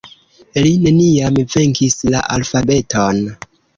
Li neniam venkis la alfabeton.